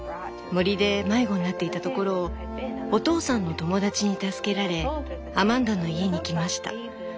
森で迷子になっていたところをお父さんの友達に助けられアマンダの家に来ました。